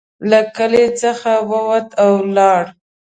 له کلي څخه ووت او ولاړ.